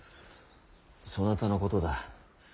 そなたのことだ。